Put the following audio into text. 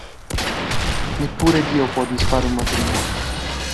Neppure Dio può disfare un matrimonio!